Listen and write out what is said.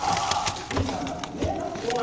スイちゃんだもんねだってね。